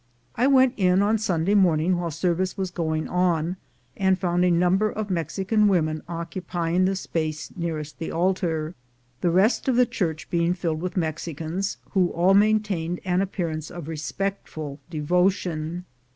I went in on Sunday morning while service was going on, and found a number of Mexican women occupying the space nearest the altar, the rest of the church being filled with Mexicans, who all maintained an appearance of respectful devotion.